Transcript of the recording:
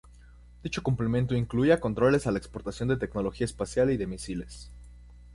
Dicho cumplimiento incluía controles a la exportación de tecnología espacial y de misiles.